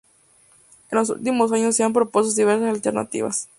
En los últimos años se han propuesto diversas alternativas.